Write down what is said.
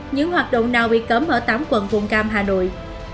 những hoạt động nào bị cấm ở tám quận vùng cam hà nội